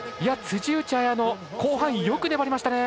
辻内彩野、後半よく粘りましたね。